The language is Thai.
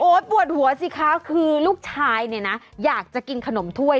ปวดหัวสิคะคือลูกชายเนี่ยนะอยากจะกินขนมถ้วย